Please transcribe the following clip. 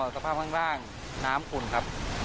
สภาพข้างล่างน้ำขุ่นครับ